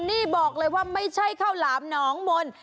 นี่บอกเลยว่าไม่ใช่ข้าวหลามหนองมนต์